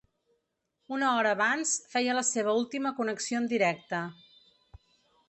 Una hora abans, feia la seva última connexió en directe.